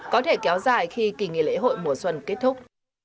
có thể kéo dài khi kỳ nghỉ lễ hội mùa xuân kết thúc